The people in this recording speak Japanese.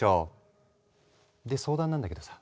で相談なんだけどさ。